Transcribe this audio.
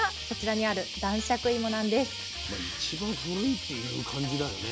まあ一番古いっていう感じだよね。